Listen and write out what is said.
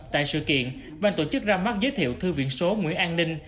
tại sự kiện bàn tổ chức ra mắt giới thiệu thư biện số nguyễn an ninh